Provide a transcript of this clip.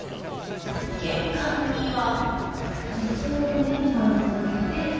玄関には。